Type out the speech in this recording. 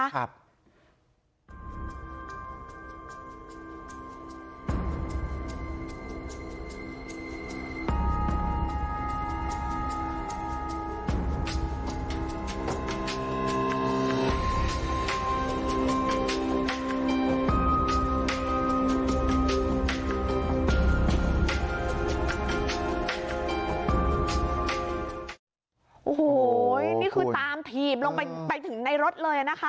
โอ้โหนี่คือตามถีบลงไปถึงในรถเลยนะคะ